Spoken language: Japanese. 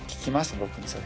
僕にそれ。